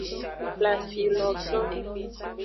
Flafilo gan.